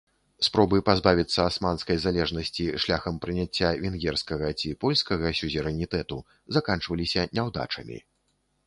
Спробы пазбавіцца асманскай залежнасці шляхам прыняцця венгерскага ці польскага сюзерэнітэту заканчваліся няўдачамі.